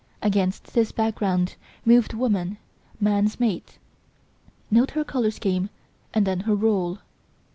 Against this background moved woman, man's mate; note her colour scheme and then her rôle.